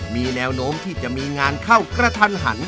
มีแนวโน้มที่จะมีงานเข้ากระทันหัน